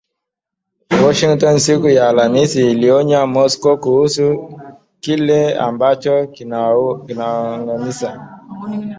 Washington siku ya Alhamisi iliionya Moscow kuhusu kile ambacho kinawaangamiza